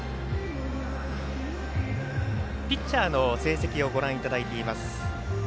ピッチャーの成績をご覧いただいています。